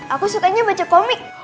aku sukanya baca komik